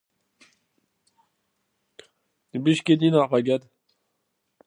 Ne blij ket din ar baget.